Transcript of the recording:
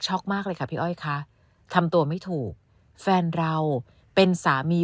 มากเลยค่ะพี่อ้อยคะทำตัวไม่ถูกแฟนเราเป็นสามี